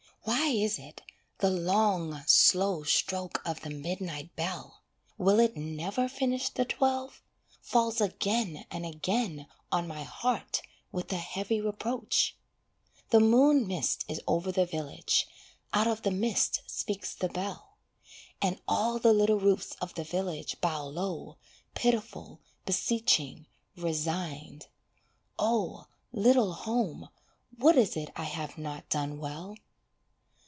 Why is it, the long slow stroke of the midnight bell, (Will it never finish the twelve?) Falls again and again on my heart with a heavy reproach? The moon mist is over the village, out of the mist speaks the bell, And all the little roofs of the village bow low, pitiful, beseeching, resigned: Oh, little home, what is it I have not done well?